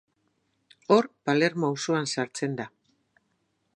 Hor, Palermo auzoan sartzen da.